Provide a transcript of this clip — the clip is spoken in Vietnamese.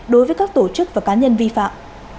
đối với các tổ chức và cá nhân vi phạm